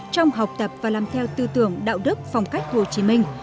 trong học tập và làm theo tư tưởng đạo đức phong cách hồ chí minh